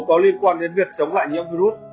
có liên quan đến việc chống lại nhiễm virus